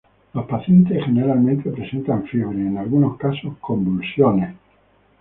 Los pacientes generalmente presentan fiebre y en algunos casos, convulsiones.